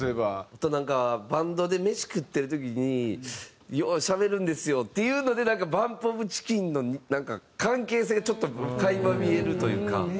あとなんかバンドで飯食ってる時にようしゃべるんですよっていうのでＢＵＭＰＯＦＣＨＩＣＫＥＮの関係性ちょっと垣間見えるというか。